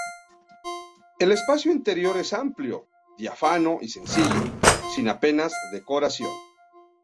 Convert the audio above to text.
El espacio interior es amplio, diáfano y sencillo, sin apenas decoración.